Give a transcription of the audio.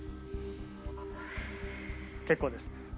結構です。